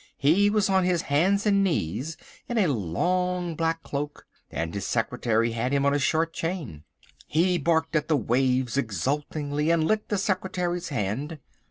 He was on his hands and knees in a long black cloak, and his secretary had him on a short chain. He barked at the waves exultingly and licked the secretary's hand.